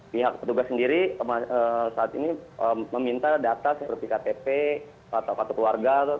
pihak petugas sendiri saat ini meminta data seperti ktp kartu kartu keluarga